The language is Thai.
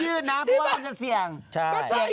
กางเกงขี้ทุกวันในการดึงในการลุง